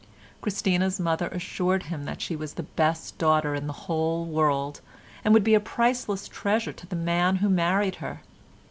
Christina's mother assured him that she was the best daughter in the whole world, and would be a priceless treasure to the man who married her.